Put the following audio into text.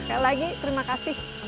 sekali lagi terima kasih